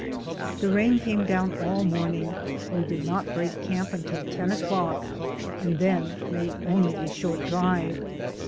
The rain came down all morning; we did not break camp until ten o'clock and then made only a short drive.